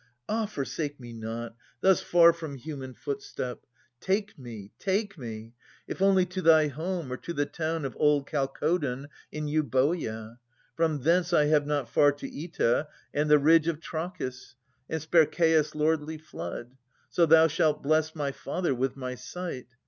Ah ! forsake me not Thus far from human footstep. Take me, take me ! If only to thy home, or to the town Of old Chalcodon ^ in Euboea. — From thence I have not far to Oeta, and the ridge Of Trachis, and Spercheius' lordly flood. So thou shalt bless my father with my sight.